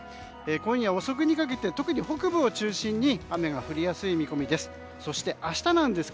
今夜遅くにかけて特に北部を中心に雨が降りやすい見込みです。